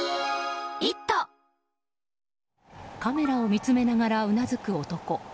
カメラを見つめながらうなずく男。